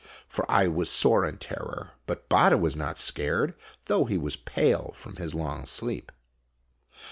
For I was sore in terror, but Batta was not scared, though he was pale from his long sleep.